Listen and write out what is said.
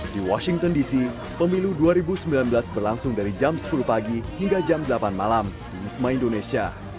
di washington dc pemilu dua ribu sembilan belas berlangsung dari jam sepuluh pagi hingga jam delapan malam di wisma indonesia